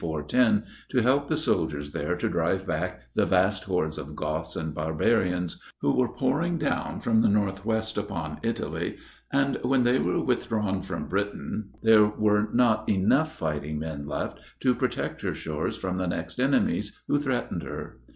410 to help the soldiers there to drive back the vast hoards of Goths and barbarians who were pouring down from the north west upon Italy; and when they were withdrawn from Britain, there were not enough fighting men left to protect her shores from the next enemies who threatened her.